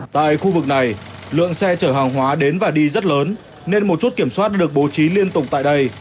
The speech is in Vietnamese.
tại khu vực này lượng xe chở hàng hóa đến và đi rất lớn nên một chút kiểm soát được bố trí liên tục tại đây